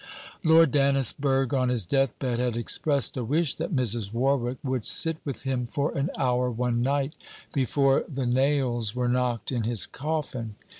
Lord Dannisburgh on his death bed had expressed a wish that Mrs. Warwick would sit with him for an hour one night before the nails were knocked in his coffin.